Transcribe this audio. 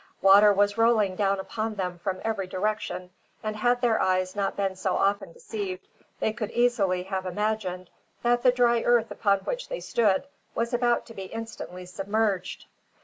Water was rolling down upon them from every direction, and had their eyes not been so often deceived, they could easily have imagined that the dry earth upon which they stood was about to be instantly submerged.